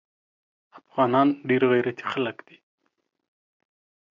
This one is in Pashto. افغانان ډیر غیرتي خلک دي